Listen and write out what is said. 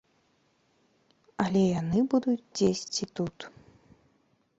Але яны будуць дзесьці тут.